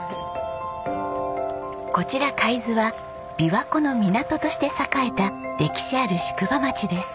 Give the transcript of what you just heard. こちら海津は琵琶湖の港として栄えた歴史ある宿場町です。